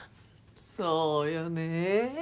そうよねぇ。